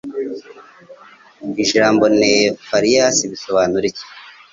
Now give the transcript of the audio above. ijambo Nefarious bisobanura iki?